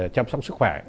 chăm sóc sức khỏe